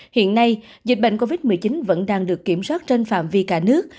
hiện nay dịch bệnh covid một mươi chín vẫn đang được kiểm soát trên phạm vi cả nước